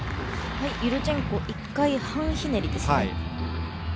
ユルチェンコ１回半ひねりですね。